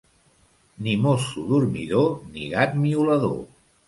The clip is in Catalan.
Ni mosso dormidor, ni gat miolador.